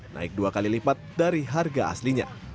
naik dua kali lipat dari harga aslinya